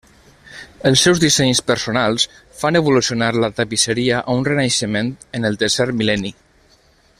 Els seus dissenys personals fan evolucionar la tapisseria a un renaixement en el tercer mil·lenni.